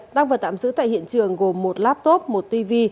tăng vật tạm giữ tại hiện trường gồm một laptop một tv